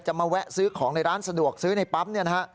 มาแวะซื้อของในร้านสะดวกซื้อในปั๊มเนี่ยนะฮะ